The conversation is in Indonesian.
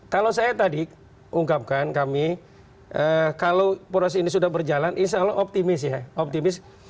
kalau saya tadi ungkapkan kami kalau proses ini sudah berjalan insya allah optimis ya optimis